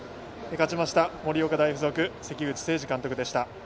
勝ちました盛岡大付属関口清治監督でした。